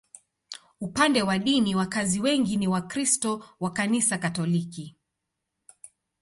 Upande wa dini, wakazi wengi ni Wakristo wa Kanisa Katoliki.